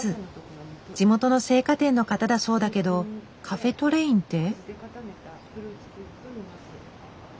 地元の製菓店の方だそうだけどカフェトレインって？